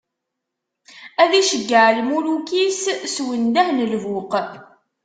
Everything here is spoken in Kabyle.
Ad iceggeɛ lmuluk-is s undah n lbuq.